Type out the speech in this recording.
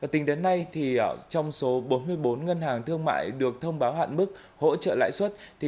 tính đến nay trong số bốn mươi bốn ngân hàng thương mại được thông báo hạn mức hỗ trợ lãi suất